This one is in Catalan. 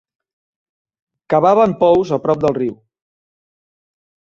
Cavaven pous a prop del riu.